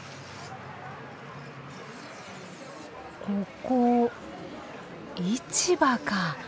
ここ市場か。